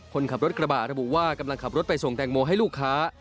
คนขับรถกระบะระบุว่ากำลังขับรถไปส่งแตงโมให้ลูกค้า